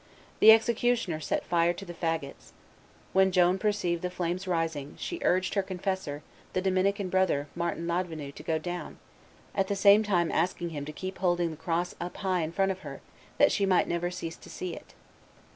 The executioner set fire to the fagots. When Joan perceived the flames rising, she urged her confessor, the Dominican brother, Martin Ladvenu, to go down, at the same time asking him to keep holding the cross up high in front of her, that she might never cease to see it.